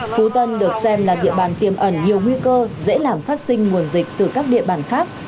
phú tân được xem là địa bàn tiềm ẩn nhiều nguy cơ dễ làm phát sinh nguồn dịch từ các địa bàn khác